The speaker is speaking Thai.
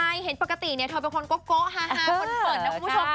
ใช่เห็นปกติเธอเป็นคนโก๊ะโก๊ะฮ่าคนเผินนะคุณผู้ชม